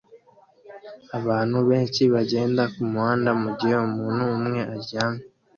Abantu benshi bagenda kumuhanda mugihe umuntu umwe aryamye